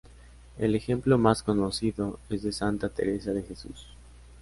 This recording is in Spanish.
El ejemplo más conocido es de Santa Teresa de Jesús.